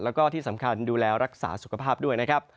แล้วก็ที่สำคัญดูแลรักษาสุขภาพด้วยนะครับ